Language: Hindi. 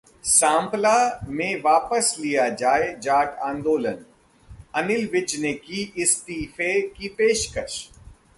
सांपला में वापस लिया गया जाट आंदोलन, अनिल विज ने की इस्तीफे की पेशकश